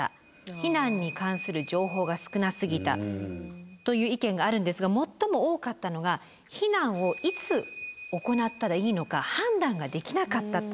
「避難に関する情報が少なすぎた」という意見があるんですが最も多かったのが「避難をいつ行ったらいいのか判断ができなかった」と。